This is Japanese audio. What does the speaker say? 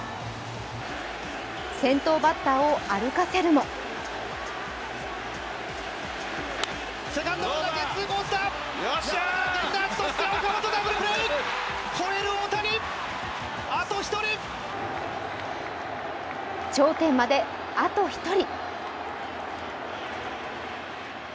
先頭バッターを歩かせるも頂点まであと１人。